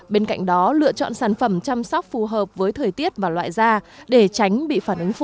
bên cạnh đó lựa chọn sản phẩm chăm sóc phù hợp với thời tiết và loại da để tránh bị phản ứng phụ